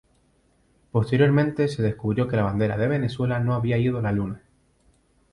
Posteriormente se descubrió que la bandera de Venezuela no había ido a la luna.